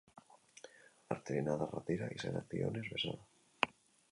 Arterien adarrak dira, izenak dionez bezala.